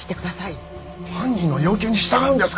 犯人の要求に従うんですか！？